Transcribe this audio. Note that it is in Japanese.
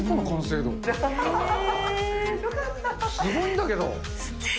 すごいんだけど。